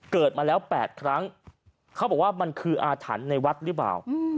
เกิดมาแล้ว๘ครั้งเขาบอกว่ามันคืออาถรรพ์ในวัดหรือเปล่า